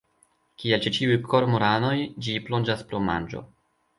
Kiel ĉe ĉiuj kormoranoj ĝi plonĝas por manĝo.